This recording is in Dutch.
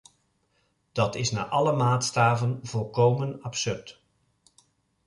Dat is naar alle maatstaven volkomen absurd.